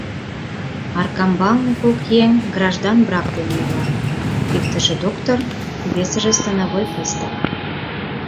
Аркамбалне кок еҥ граждан брак дене ила: иктыже — доктор, весыже — становой пристав.